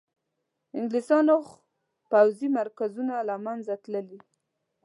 انګلیسیانو پوځي مرکزونه له منځه تللي.